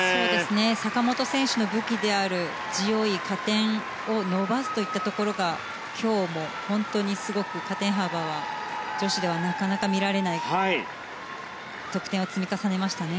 坂本選手の武器であるＧＯＥ、加点を伸ばすといったところが今日も本当にすごく加点幅は女子ではなかなか見られない得点を積み重ねましたね。